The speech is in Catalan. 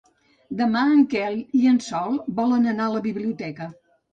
Demà en Quel i en Sol volen anar a la biblioteca.